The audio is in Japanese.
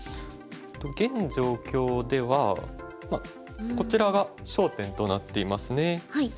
現状況ではこちらが焦点となっていますね。